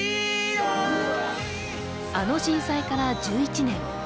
あの震災から１１年。